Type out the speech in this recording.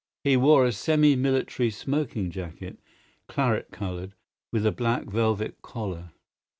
He wore a semi military smoking jacket, claret coloured, with a black velvet collar.